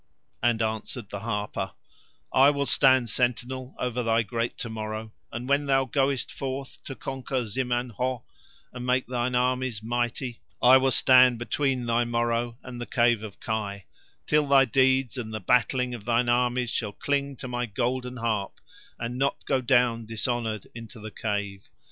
And answered the harper: "I will stand sentinel over thy great to morrow, and when thou goest forth to conquer Ziman ho and make thine armies mighty I will stand between thy morrow and the cave of Kai, till thy deeds and the battling of thine armies shall cling to my golden harp and not go down dishonoured into the cave.